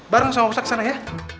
bareng sama ustadz ke sana ya